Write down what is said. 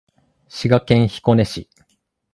滋賀県彦根市